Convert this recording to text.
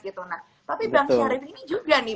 gitu nah tapi bang syarif ini juga nih